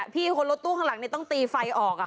พี่คนรถตู้ข้างหลังต้องตีไฟออก